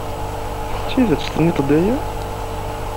D tidet tennid-d aya?